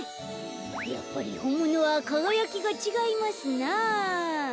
やっぱりほんものはかがやきがちがいますな。